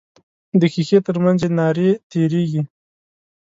د ښیښې تر منځ یې نارې تیریږي.